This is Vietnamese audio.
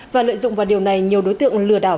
và lợi dụng vào điều này nhiều đối tượng lừa đảo